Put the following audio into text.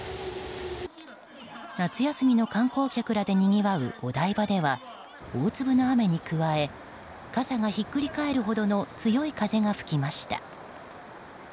夏休みの観光客らでにぎわうお台場では大粒の雨に加え傘がひっくり返るほどの強い風が吹きました。